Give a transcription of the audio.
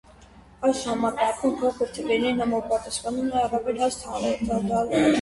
Այս համակարգում փոքր թվերին համապատռասխանում է առավել հաստ հաղորդալարը։